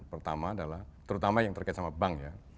pertama adalah terutama yang terkait sama bank ya